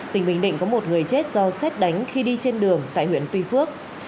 tỉnh bình định có một người chết do xét đánh khi đi trên đường tại huyện tuy phước